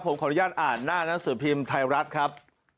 ผมขออนุญาตอ่านหน้านังสือพิมพ์ไทยรัฐครับ